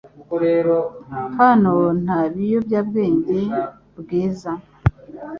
Hano nta biyobyabwenge .Bwiza